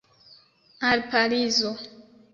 Al Parizo!